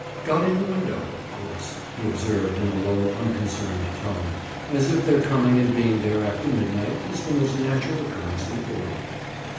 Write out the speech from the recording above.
"Got in the window, of course," he observed in a low unconcerned tone, as if their coming and being there after midnight was the most natural occurrence in the world.